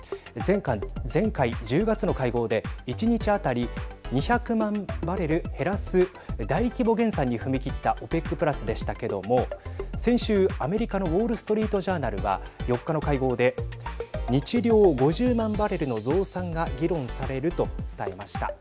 前回１０月の会合で、１日当たり２００万バレル減らす大規模減産に踏み切ったＯＰＥＣプラスでしたけども先週、アメリカのウォール・ストリート・ジャーナルは４日の会合で、日量５０万バレルの増産が議論されると伝えました。